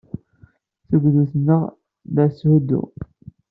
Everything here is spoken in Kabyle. Tugdut-nneɣ la tetthuddu.